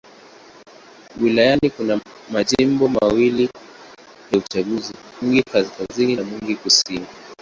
Wilayani kuna majimbo mawili ya uchaguzi: Mwingi Kaskazini na Mwingi Kusini.